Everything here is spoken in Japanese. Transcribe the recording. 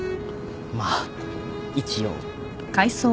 まあ一応。